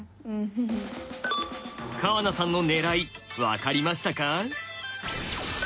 川名さんの狙い分かりましたか？